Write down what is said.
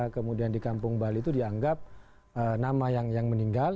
kemudian di kampung bali itu dianggap nama yang meninggal